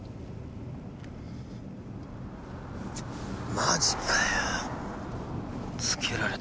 マジかよ。